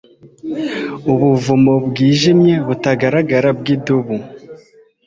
Ubuvumo bwijimye butagaragara bwidubu: